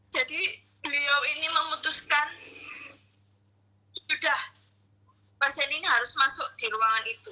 jadi beliau ini memutuskan sudah pasien ini harus masuk di ruangan itu